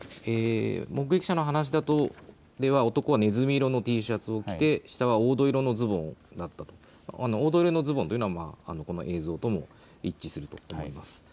目撃者の話だと男はねずみ色のＴシャツを着て下は黄土色のズボンだったと黄土色のズボンというのはこの映像とも一致すると思います。